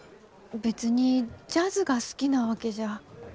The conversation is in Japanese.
別にジャズが好きなわけじゃ。